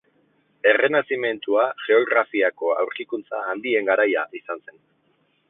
Errenazimentua geografiako aurkikuntza handien garaia izan zen.